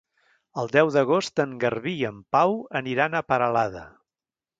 El deu d'agost en Garbí i en Pau aniran a Peralada.